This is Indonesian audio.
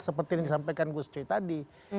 seperti yang disampaikan gus coy tadi